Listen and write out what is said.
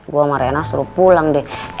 gue sama rena suruh pulang deh